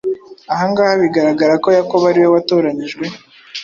Ahangaha bigaragara ko Yakobo ari we watoranyijwe